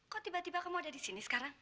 kok tiba tiba kamu ada disini sekarang